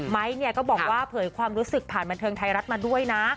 ก็บอกว่าเผยความรู้สึกผ่านบันเทิงไทยรัฐมาด้วยนะ